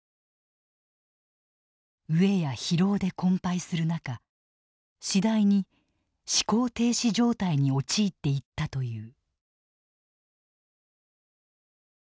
飢えや疲労で困ぱいする中次第に思考停止状態に陥っていったという。